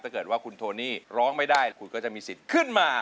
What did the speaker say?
ถ้าเกิดว่าคุณโทนี่ร้องไม่ได้คุณก็จะมีสิทธิ์ขึ้นมา